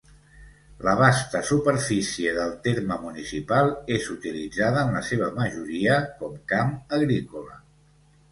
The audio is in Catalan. La vasta superfície del terme municipal és utilitzada en la seva majoria com camp agrícola.